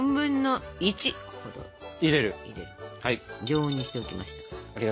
常温にしておきましたから。